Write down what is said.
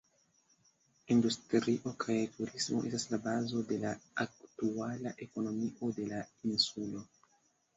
Industrio kaj turismo estas la bazo de la aktuala ekonomio de la insulo.